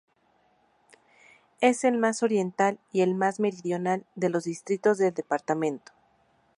Es el más oriental y más meridional de los distritos del departamento.